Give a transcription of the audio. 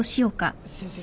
先生